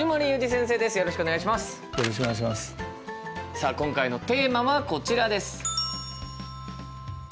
さあ今回のテーマはこちらです。